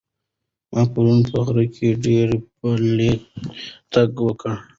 ما پرون په غره کې ډېر پلی تګ وکړ.